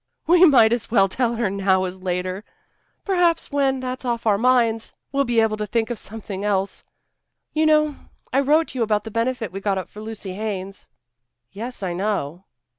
"We might as well tell her now as later. Perhaps when that's off our minds, we'll be able to think of something else. You know, I wrote you about the benefit we got up for Lucy Haines." "Yes, I know."